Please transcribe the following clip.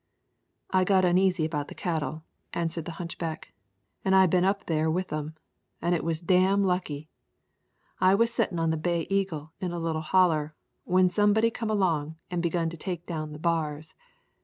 "I got uneasy about the cattle," answered the hunchback, "an I've been up there with 'em, an' it was dam' lucky. I was settin' on the Bay Eagle in a little holler, when somebody come along an' begun to take down the bars.